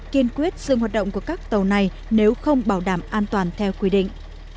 kiên quyết dừng hoạt động của các tàu này nếu không bảo đảm an toàn theo quy định